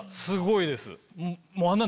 すごいです。